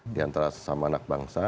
di antara sesama anak bangsa